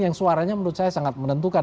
yang suaranya menurut saya sangat menentukan